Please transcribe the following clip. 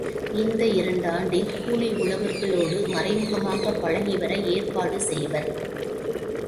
இந்த இரண்டாண்டில் கூலி உழவர்களோடு மறைமுகமாகப் பழகிவர ஏற்பாடு செய்வர்.